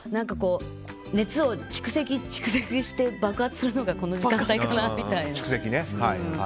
熱を蓄積して爆発するのがこの時間帯かなみたいな。